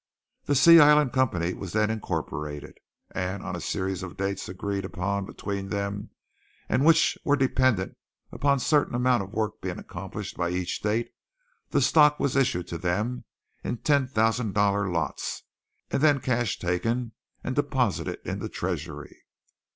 The Sea Island Company was then incorporated, and on a series of dates agreed upon between them and which were dependent upon a certain amount of work being accomplished by each date, the stock was issued to them in ten thousand dollar lots and then cash taken and deposited in the treasury.